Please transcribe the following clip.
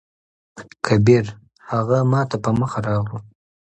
کبير: هغه ماته په مخه راغلو.